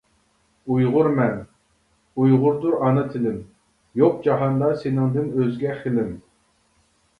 ئۇيغۇرمەن، ئۇيغۇردۇر ئانا تىلىم، يوق جاھاندا سېنىڭدىن ئۆزگە خىلىم!